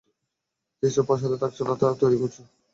যে সব প্রাসাদে থাকছো না তা তৈরী করছো!